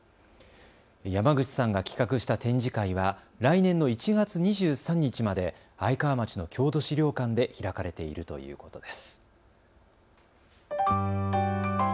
山口さんが企画したこの展示会は来年の１月２３日まで愛川町の郷土資料館で開かれているということです。